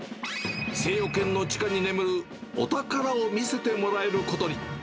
精養軒の地下に眠るお宝を見せてもらえることに。